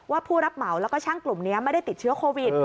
ผู้รับเหมาแล้วก็ช่างกลุ่มนี้ไม่ได้ติดเชื้อโควิด